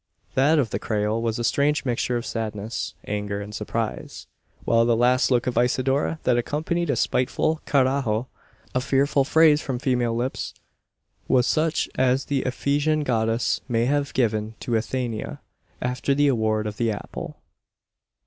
That of the Creole was a strange mixture of sadness, anger, and surprise; while the last look of Isidora, that accompanied a spiteful "carajo!" a fearful phrase from female lips was such as the Ephesian goddess may have given to Athenaia, after the award of the apple.